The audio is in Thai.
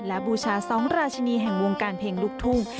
และบูชา๒ราชินีแห่งวงการเพลงลูกทุ่ง